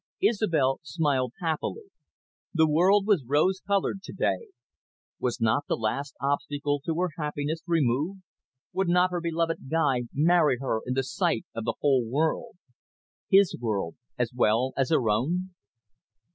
Isobel smiled happily. The world was rose coloured to day. Was not the last obstacle to her happiness removed? Would not her beloved Guy marry her in the sight of the whole world? His world as well as her own?